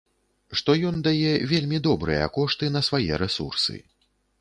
Што ён дае вельмі добрыя кошты на свае рэсурсы.